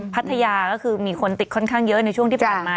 พัทยาก็คือมีคนติดค่อนข้างเยอะในช่วงที่ผ่านมา